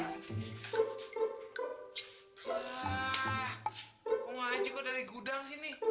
aku ngaji kok dari gudang sini